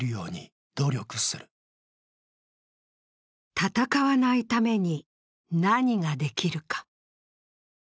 戦わないために何ができるか。